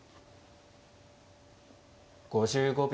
５５秒。